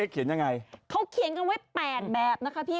เขาเขียนกันไง